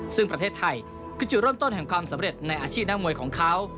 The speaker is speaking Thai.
ซึ่งประเทศไทยคือจุดเริ่มต้นแห่งความสำเร็จในอาชีพนักมวยของเขา